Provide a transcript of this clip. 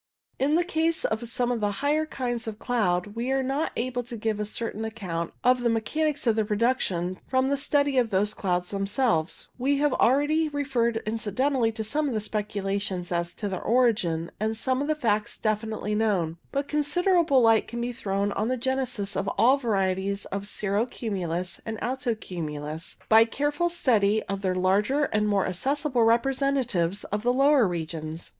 In the case of some of the higher kinds of cloud, we are not able to give any certain account of the mechanics of their production from a study of those clouds themselves. We have already referred incidentally to some of the speculations as to their origin and some of the facts definitely known, but considerable light can be thrown on the genesis of all the varieties of cirro cumulus and alto cumulus by a careful study of their larger and more accessible representatives of lower regions.